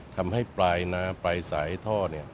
ทำให้ปลายน้ำปลายสายท่อเนี่ย